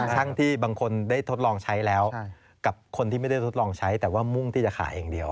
ช่างที่บางคนได้ทดลองใช้แล้วกับคนที่ไม่ได้ทดลองใช้แต่ว่ามุ่งที่จะขายอย่างเดียว